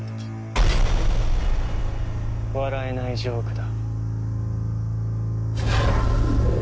笑えないジョークだ。